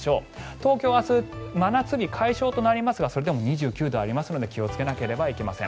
東京は明日真夏日解消となりますがそれでも２９度ありますので気をつけなければいけません。